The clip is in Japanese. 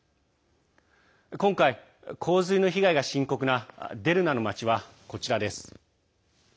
今回、洪水の被害が深刻なデルナの町は、こちらです。